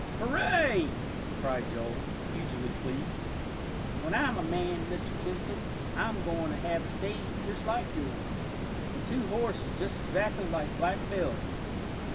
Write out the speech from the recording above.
"Hooray!" cried Joel, hugely pleased. "When I'm a man, Mr. Tisbett, I'm goin' to have a stage just like yours, and two horses just exactly like Black Bill."